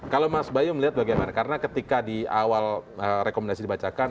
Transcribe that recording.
kalau mas bayu melihat bagaimana karena ketika di awal rekomendasi dibacakan